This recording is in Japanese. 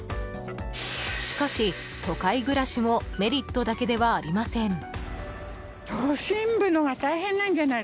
しかし、都会暮らしもメリットだけではありません。